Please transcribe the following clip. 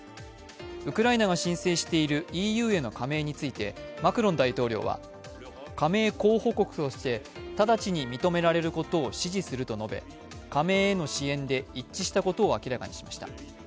ウクライナが申請しているＥＵへの加盟についてマクロン大統領は加盟候補国として直ちに認められることを支持すると述べ加盟への支援で一致したことを明らかにしました。